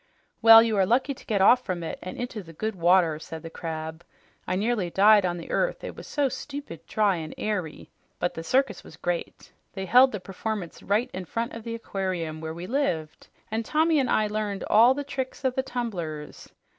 "Well, you're lucky to get off from it and into the good water," said the Crab. "I nearly died on the earth; it was so stupid, dry and airy. But the circus was great. They held the performance right in front of the aquarium where we lived, and Tommy and I learned all the tricks of the tumblers.